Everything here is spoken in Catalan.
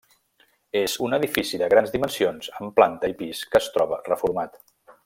És un edifici de grans dimensions amb planta i pis que es troba reformat.